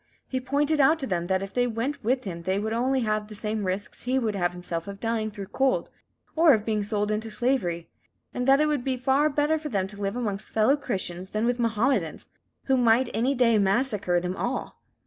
He pointed out to them that if they went with him they would only have the same risks he would have himself of dying through cold, or of being sold into slavery; and that it would be far better for them to live amongst fellow Christians than with Mohammedans, who might any day massacre them all.